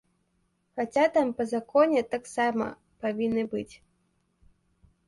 Хаця там па законе таксама павінны быць.